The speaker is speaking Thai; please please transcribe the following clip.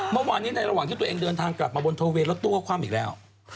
เมื่อวานนี้ในระหว่างที่ตัวเองเดินทางกลับมาบนโทเวนแล้วตัวคว่ำอีกแล้ว